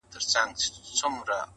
ه ستا د سترگو احترام نه دی” نو څه دی”